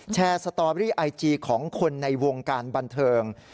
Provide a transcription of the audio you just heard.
สตอรี่ไอจีของคนในวงการบันเทิง